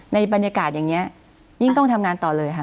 ในบรรยากาศอย่างนี้ยิ่งต้องทำงานต่อเลยค่ะ